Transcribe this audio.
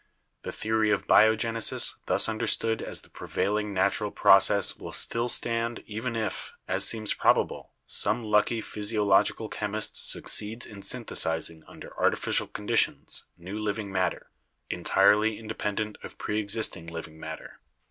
The theory of biogenesis thus understood as the prevailing natural process will still stand even if, as seems probable, some lucky physiological chemist succeeds in synthesizing under artificial conditions new living matter, entirely inde pendent of preexisting living matter.